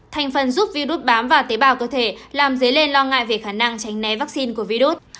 thành phần giúp virus bám vào tế bào cơ thể làm dấy lên lo ngại về khả năng tránh né vaccine của virus